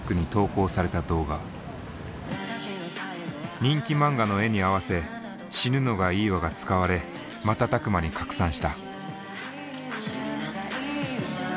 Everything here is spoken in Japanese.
人気漫画の絵に合わせ「死ぬのがいいわ」が使われ瞬く間に拡散した。